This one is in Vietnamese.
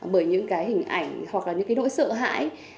bởi những hình ảnh hoặc nỗi sợ hãi